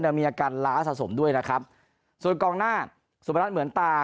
มีอาการล้าสะสมด้วยนะครับส่วนกองหน้าสุพนัทเหมือนตา